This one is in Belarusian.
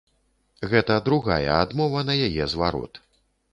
Гэта другая адмова на яе зварот.